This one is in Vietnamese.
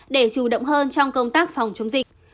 để chủ động hơn trong công tác phòng chống dịch